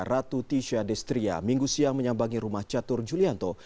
ratu tisha destria minggu siang menyambangi rumah catur julianto